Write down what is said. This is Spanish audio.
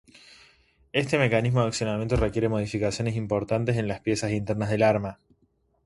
Este mecanismo de accionamiento requiere modificaciones importantes en las piezas internas del arma.